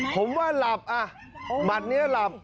ผมว่าหลับอ่ะหมัดนี้หลับ